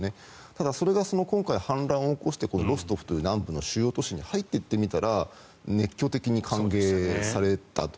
ただ、それが今回反乱を起こしてロストフという南部の主要都市に入ってみたら、熱狂的に歓迎されたと。